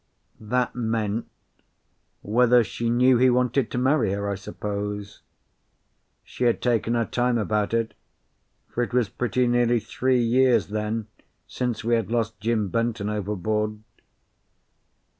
That meant, whether she knew he wanted to marry her, I suppose. She had taken her time about it, for it was pretty nearly three years then since we had lost Jim Benton overboard.